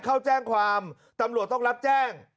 เข้าแจ้งความตำรวจต้องรับแจ้ง